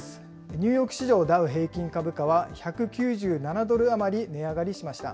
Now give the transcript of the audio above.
ニューヨーク市場、ダウ平均株価は１９７ドル余り値上がりしました。